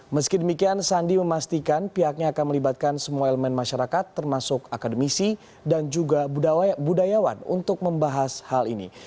meski demikian sandi memastikan pihaknya akan melibatkan semua elemen masyarakat termasuk akademisi dan juga budayawan untuk membahas hal ini